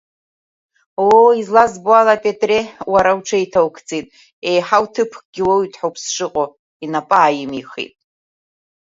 Оо, излазбо ала, Петре, уара уҽеиҭоукӡеит, еиҳау ҭыԥкгьы уоуит ҳәа ауп сшыҟоу, инапы ааимихит.